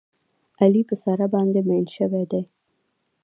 علي په ساره باندې مین شوی دی.